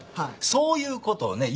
そういうことをね